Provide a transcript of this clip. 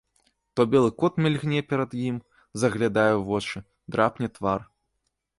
То белы кот мільгне перад ім, заглядае ў вочы, драпне твар.